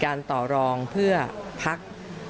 ต่อรองเพื่อพัก